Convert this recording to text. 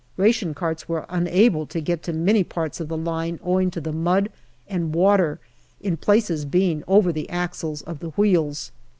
Ration carts were unable to get to many parts of the line owing to the mud and water in places being over the axles of the wheels.